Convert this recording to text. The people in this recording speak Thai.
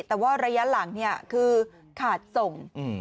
แต่ว่าระยะหลังเนี่ยคือขาดส่ง